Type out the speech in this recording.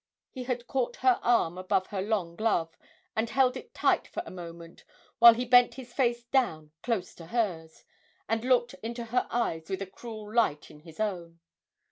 He had caught her arm above her long glove, and held it tight for a moment, while he bent his face down close to hers, and looked into her eyes with a cruel light in his own.